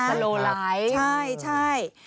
สโลไลท์ใช่